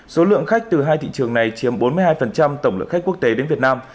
số lượng khách từ hai thị trường này chiếm bốn mươi hai tổng lượng khách quốc tế đến việt nam